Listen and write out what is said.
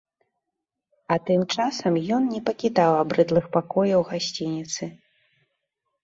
А тым часам ён не пакідаў абрыдлых пакояў гасцініцы.